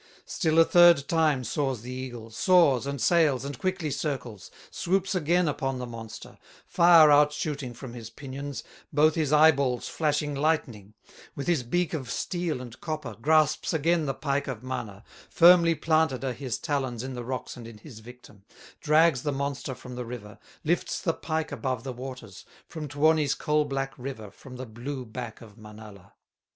Still a third time soars the eagle, Soars, and sails, and quickly circles, Swoops again upon the monster, Fire out shooting from his pinions, Both his eyeballs flashing lightning; With his beak of steel and copper Grasps again the pike of Mana; Firmly planted are his talons In the rocks and in his victim, Drags the monster from the river, Lifts the pike above the waters, From Tuoni's coal black river, From the blue back of Manala.